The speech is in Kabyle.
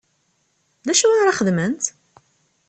D acu ara xedment?